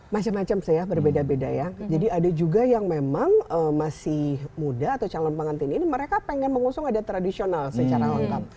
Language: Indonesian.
macam macam saya berbeda beda ya jadi ada juga yang memang masih muda atau calon pengantin ini mereka pengen mengusung adat tradisional secara lengkap